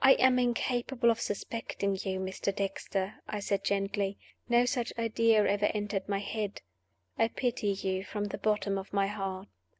"I am incapable of suspecting you, Mr. Dexter," I said, gently. "No such idea ever entered my head. I pity you from the bottom of my heart."